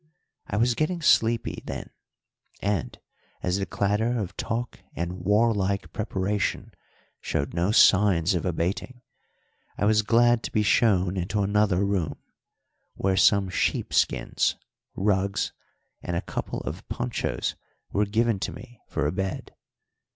I was getting sleepy then, and, as the clatter of talk and warlike preparation showed no signs of abating, I was glad to be shown into another room, where some sheep skins, rugs, and a couple of ponchos were given to me for a bed.